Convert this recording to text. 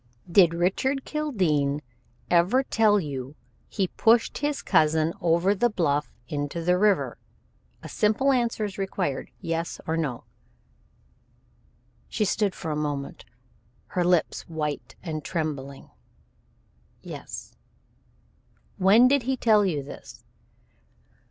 "Did Richard Kildene ever tell you he had pushed his cousin over the bluff into the river? A simple answer is required, yes, or no!" She stood for a moment, her lips white and trembling. "Yes!" "When did he tell you this?"